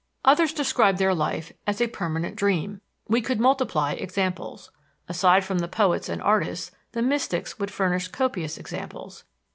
Others describe their life as "a permanent dream." We could multiply examples. Aside from the poets and artists, the mystics would furnish copious examples.